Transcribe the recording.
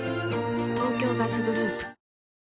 東京ガスグループ